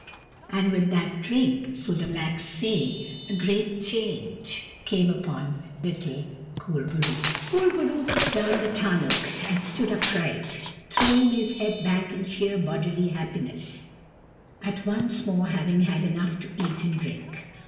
And with that drink, so the blacks say, a great change came upon little Kur bo roo. Kur bo roo put down the tarnuk and stood up right, throwing his head back in sheer bodily happi ness at once more having had enough to eat and drink.